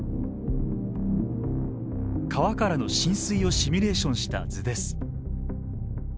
川からの浸水をシミュレーションした図です。